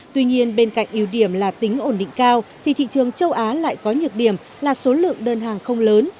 tuy nhiên bên cạnh ưu điểm là tính ổn định cao thì thị trường châu á lại có nhược điểm là số lượng đơn hàng không lớn